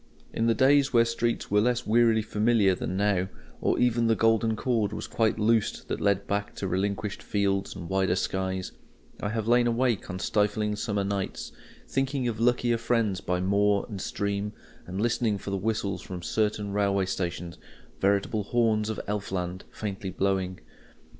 In the days when streets were less wearily familiar than now, or ever the golden cord was quite loosed that led back to relinquished fields and wider skies, I have lain awake on stifling summer nights, thinking of luckier friends by moor and stream, and listening for the whistles from certain railway stations, veritable "horns of Elf land, faintly blowing."